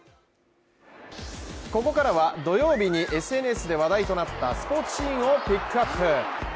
ここからは土曜日にＳＮＳで話題となったスポーツシーンをピックアップ。